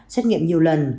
xét nghiệm nhiều lần